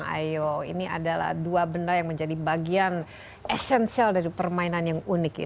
ayo ini adalah dua benda yang menjadi bagian esensial dari permainan yang unik